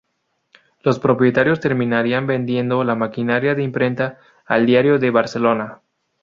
Los propietarios terminarían vendiendo la maquinaria de imprenta al "Diario de Barcelona".